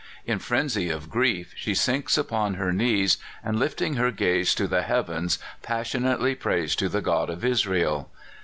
In frenzy of grief she sinks upon her knees, and lifting her gaze to the heavens, passionately prays to the God of Israel.